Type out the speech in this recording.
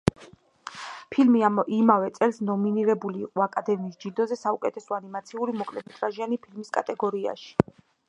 ფილმი იმავე წელს ნომინირებული იყო აკადემიის ჯილდოზე საუკეთესო ანიმაციური მოკლემეტრაჟიანი ფილმის კატეგორიაში.